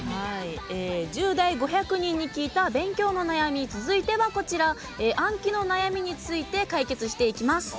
１０代５００人に聞いた勉強の悩み、続いては「暗記の悩み」について解決していきます。